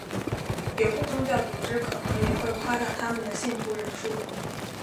有的宗教组织可能也会夸大他们的信徒人数。